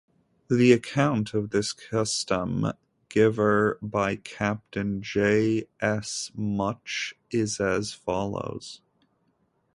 The account of this custom giver by Captain J. S. Mutch is as follows.